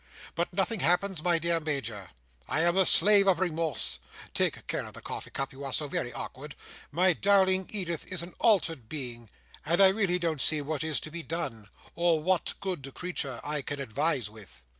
But nothing happens, my dear Major; I am the slave of remorse—take care of the coffee cup: you are so very awkward—my darling Edith is an altered being; and I really don't see what is to be done, or what good creature I can advise with."